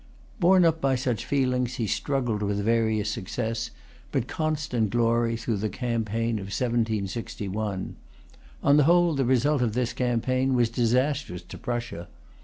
Borne up by such feelings, he struggled with various success, but constant glory, through the campaign of 1761. On the whole, the result of this campaign was disastrous to Prussia.